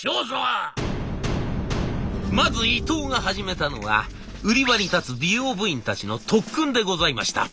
まず伊藤が始めたのは売り場に立つ美容部員たちの特訓でございました。